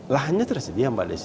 lahannya tersedia mbak desy